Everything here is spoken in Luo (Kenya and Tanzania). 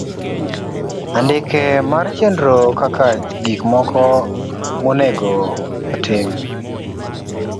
Andike mar chenro kaka gik moko monego otim.